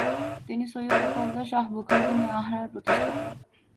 তিনি সৈয়দ আতা উল্লাহ শাহ বুখারীকে নিয়ে আহরার প্রতিষ্ঠা করেন ।